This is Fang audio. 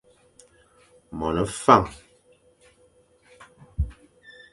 Mone Fañ,